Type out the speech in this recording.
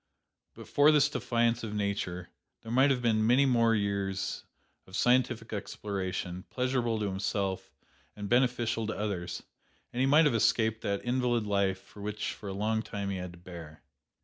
But for this defiance of Nature, there might have been many more years of scientific exploration, pleasurable to himself and beneficial to others; and he might have escaped that invalid life which for a long time he had to bear.